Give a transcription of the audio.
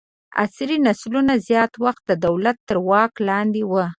عصري نسلونه زیات وخت د دولت تر واک لاندې وو.